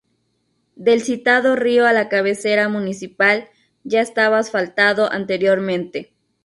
Del citado río a la cabecera municipal, ya estaba asfaltado anteriormente.